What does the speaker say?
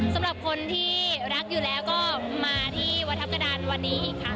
สำหรับคนที่รักอยู่แล้วก็มาที่วัดทัพกระดานวันนี้อีกค่ะ